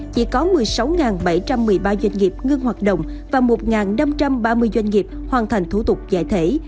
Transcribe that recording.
chỉ có một mươi sáu bảy trăm một mươi ba doanh nghiệp ngưng hoạt động và một năm trăm ba mươi doanh nghiệp hoàn thành thủ tục giải thể